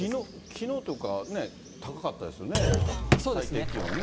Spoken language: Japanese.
きのうとか高かったですよね、最低気温ね。